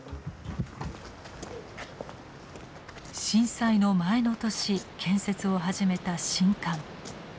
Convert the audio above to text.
震災の前の年建設を始めた新館。